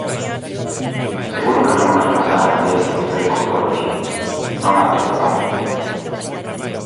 Seguro que non nos pasaron a lei que vostede contou aquí, non a atopabamos.